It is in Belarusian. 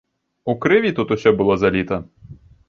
У крыві тут усё было заліта.